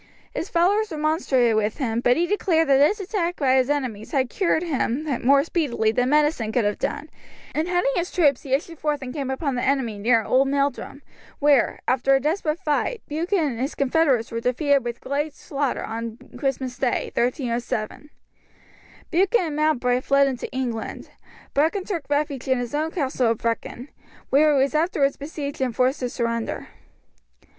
His followers remonstrated with him, but he declared that this attack by his enemies had cured him more speedily than medicine could have done, and heading his troops he issued forth and came upon the enemy near Old Meldrum, where, after a desperate fight, Buchan and his confederates were defeated with great slaughter on Christmas day, 1307. Buchan and Mowbray fled into England. Brechin took refuge in his own castle of Brechin, where he was afterwards besieged and forced to surrender.